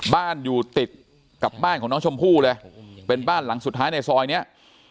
บ้านอยู่ติดกับบ้านของน้องชมพู่เลยเป็นบ้านหลังสุดท้ายในซอยเนี้ย